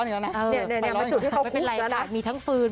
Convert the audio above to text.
นี่ดนยามอีกที่เขาคุกแล้วนะ